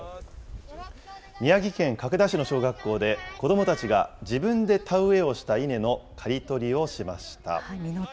宮城県角田市の小学校で、子どもたちが自分で田植えをした稲の刈り取りをしました。